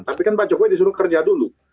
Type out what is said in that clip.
tapi kan pak jokowi disuruh kerja dulu